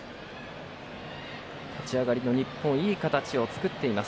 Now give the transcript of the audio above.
立ち上がりの日本いい形を作っています。